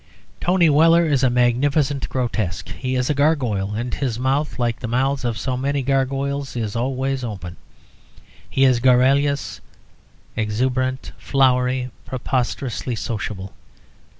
Tony Weller is a magnificent grotesque. He is a gargoyle, and his mouth, like the mouths of so many gargoyles, is always open. He is garrulous, exuberant, flowery, preposterously sociable.